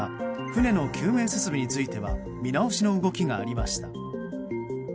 船の救命設備については見直しの動きがありました。